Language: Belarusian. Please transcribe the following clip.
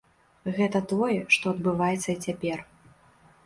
Гэта тое, што адбываецца і цяпер.